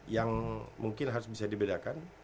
yang mungkin harus bisa dibedakan